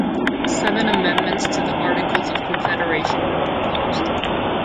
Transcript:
Seven amendments to the Articles of Confederation were proposed.